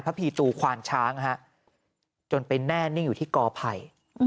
พีตูควานช้างฮะจนไปแน่นิ่งอยู่ที่กอไผ่